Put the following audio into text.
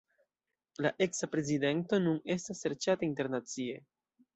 La eksa prezidento nun estas serĉata internacie.